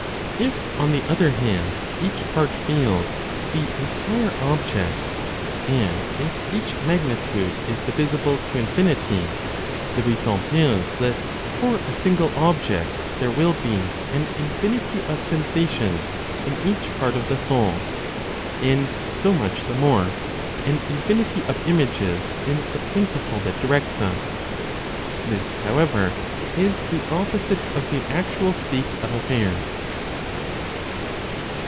If, on the other hand, each part feels the entire object, and if each magnitude is divisible to infinity, the result is that, for a single object, there will be an infinity of sensations in each part of the soul; and, so much the more, an infinity of images in the principle that directs us. (This, however, is the opposite of the actual state of affairs.)